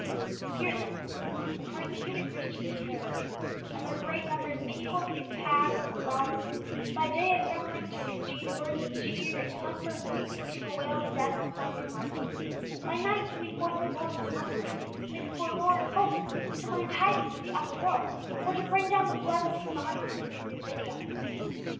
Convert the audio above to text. Here, then, the persecuted Christians tarried, and their great numbers peopled these paths and grottoes, by day assembling to exchange words of cheer and comfort, or to bewail the death of some new martyr; by night sending forth the boldest among them, like a forlorn hope, to learn tidings of the upper world, or to bring down the blood stained bodies of some new victims.